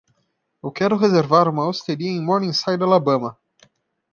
Eu quero reservar uma osteria em Morningside Alabama.